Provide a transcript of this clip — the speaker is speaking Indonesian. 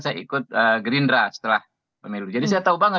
saya ikut gerindra setelah pemilu jadi saya tahu banget